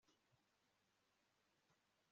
bitewe n'ubushyuhe bukabije bw'ubuzima